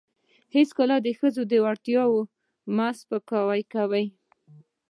هیڅکله د ښځو وړتیاوې مه سپکوئ.